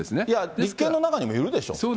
立憲の中にもいるでしょ、当然。